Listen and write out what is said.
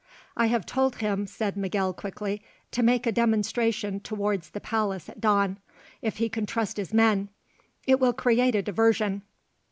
"I have told him," said Miguel quickly, "to make a demonstration towards the palace at dawn, if he can trust his men. It will create a diversion."